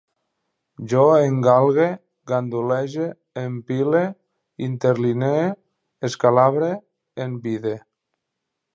Jo engalgue, gandulege, empile, interlinee, escalabre, envide